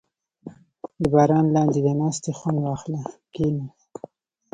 • د باران لاندې د ناستې خوند واخله، کښېنه.